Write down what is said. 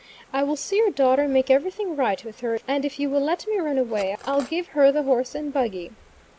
I will see your daughter and make everything right with her, and if you will let me run away, I'll give her her the horse and buggy."